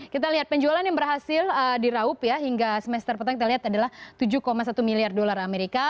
kita lihat penjualan yang berhasil diraup ya hingga semester petang kita lihat adalah tujuh satu miliar dolar amerika